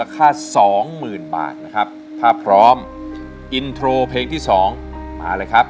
ค่าสองหมื่นบาทนะครับถ้าพร้อมอินโทรเพลงที่สองมาเลยครับ